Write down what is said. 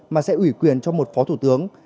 mà sẽ ủy quyền cho một phó thủ tướng